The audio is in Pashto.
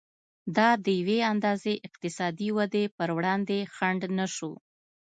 دا د یوې اندازې اقتصادي ودې پر وړاندې خنډ نه شو.